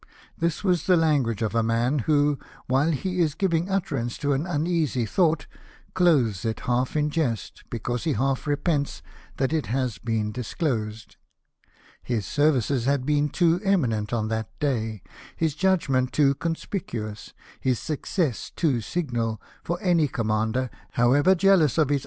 " This was the language of a man who, while he is giving utterance to an uneasy thought, clothes it half in jest because he half repents that it has been dis closed. His services had been too eminent on that day, his judgment too conspicuous, his success too signal, for any commander, however jealous of his Q 242 LIFE OF NELSON.